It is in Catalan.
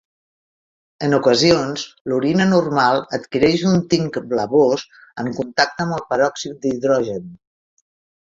En ocasions, l'orina normal adquireix un tinc blavós en contacte amb el peròxid d'hidrogen.